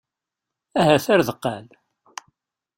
Ahat ar deqqal.